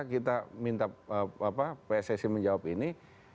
kita minta pssi menjawab ini